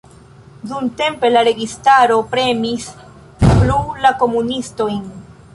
Dumtempe la registaro premis plu la komunistojn.